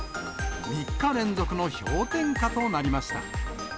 ３日連続の氷点下となりました。